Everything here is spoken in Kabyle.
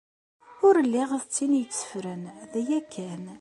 Ur lliɣ d tin iteffren, d aya kan.